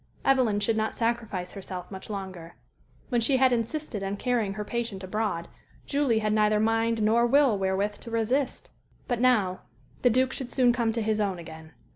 Evelyn should not sacrifice herself much longer. When she had insisted on carrying her patient abroad, Julie had neither mind nor will wherewith to resist. But now the Duke should soon come to his own again.